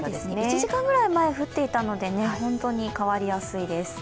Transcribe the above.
１時間ぐらい前、降っていたので本当に変わりやすいです。